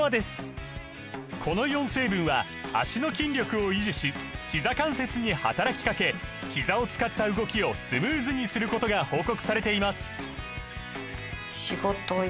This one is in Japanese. この４成分は脚の筋力を維持しひざ関節に働きかけひざを使った動きをスムーズにすることが報告されています